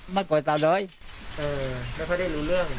ไม่เคยได้รู้เรื่อง